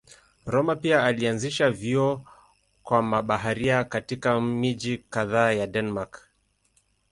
Rømer pia alianzisha vyuo kwa mabaharia katika miji kadhaa ya Denmark.